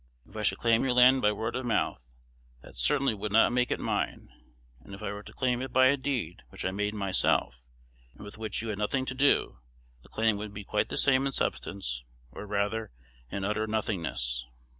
If I should claim your land by word of mouth, that certainly would not make it mine; and if I were to claim it by a deed which I had made myself, and with which you had nothing to do, the claim would be quite the same in substance, or rather in utter nothingness.